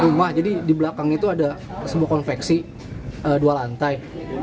rumah jadi di belakang itu ada sebuah konveksi dua lantai